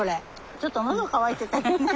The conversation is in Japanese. ちょっと喉渇いてたんやね。